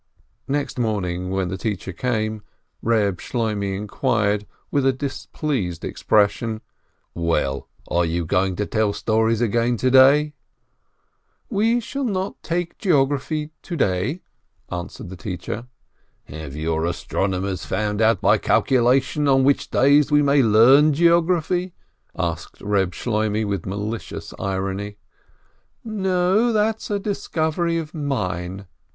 Next morning when the teacher came, Reb Shloimeh inquired with a displeased expression : "Well, are you going to tell stories again to day ?" REB SHLOIMEH 323 "We shall not take geography to day," answered the teacher. "Have your 'astronomers' found out by calculation on which days we may learn geography?" asked Eeb Shloimeh, with malicious irony. "No, that's a discovery of mine!"